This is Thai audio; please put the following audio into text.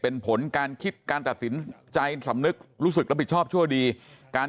เป็นผลการคิดการตัดสินใจสำนึกรู้สึกรับผิดชอบชั่วดีการ